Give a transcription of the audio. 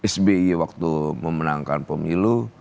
sby waktu memenangkan pemilu